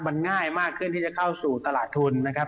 มันง่ายมากขึ้นที่จะเข้าสู่ตลาดทุนนะครับ